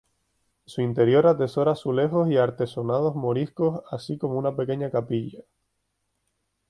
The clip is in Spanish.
Su interior atesora azulejos y artesonados moriscos, así como una pequeña capilla.